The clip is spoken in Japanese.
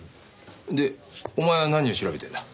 でお前は何を調べてるんだ？